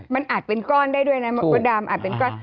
มันอัดเป็นกลอนได้ด้วยนะคนดำอัดเป็นกลอน